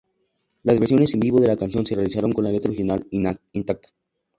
Las versiones en vivo de la canción se realizaron con la letra original intacta.